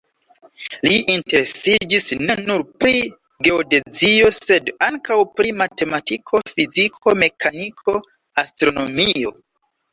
Li interesiĝis ne nur pri geodezio, sed ankaŭ pri matematiko, fiziko, mekaniko, astronomio.